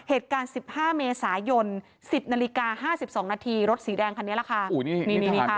เหตุการณ์๑๕เมษายน๑๐นาฬิกา๕๒นาทีรถสีแดงคันนี้แหละค่ะ